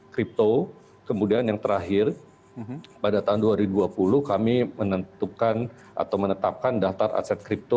kripto kemudian yang terakhir pada tahun dua ribu dua puluh kami menentukan atau menetapkan daftar aset kripto